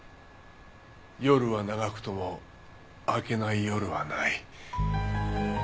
「夜は長くとも明けない夜はない」。